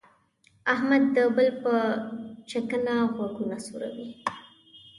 احمد د بل په شکنه غوږونه سوزي.